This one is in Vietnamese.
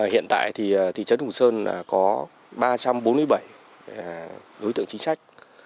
hiện tại thì thị trấn hùng sơn có ba trăm bốn mươi bảy đối tượng chính sách